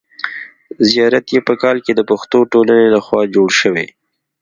زیارت یې په کال کې د پښتو ټولنې له خوا جوړ شوی.